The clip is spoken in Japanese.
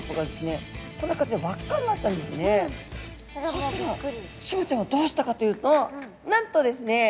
そしたらシマちゃんはどうしたかというとなんとですね